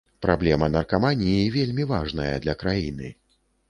Праблема наркаманіі вельмі важная для краіны.